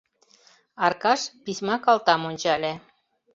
Аркаш письма калтам ончале.